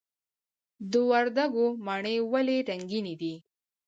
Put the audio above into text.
د وردګو مڼې ولې رنګینې دي؟